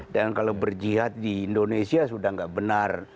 dan kalau berjihad di indonesia sudah tidak benar